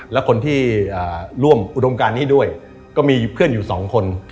และคนที่ร่วมอุดมการนี้ด้วยก็มีเพื่อนอยู่สองคน